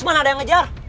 hanya ada yang mengejar